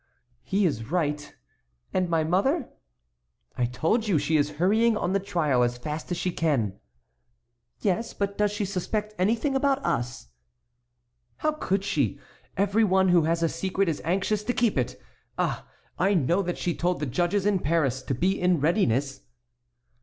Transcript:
"He is right. And my mother?" "I told you she is hurrying on the trial as fast as she can." "Yes, but does she suspect anything about us?" "How could she? Every one who has a secret is anxious to keep it. Ah! I know that she told the judges in Paris to be in readiness."